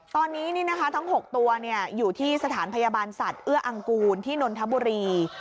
ตอนนี้ทั้ง๖ตัวอยู่ที่สถานพยาบาลสัตว์เอื้ออังกูลที่นนทบุรี